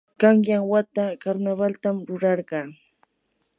qanyan wata karnawaltam rurarqaa.